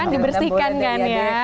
dibersihkan kan ya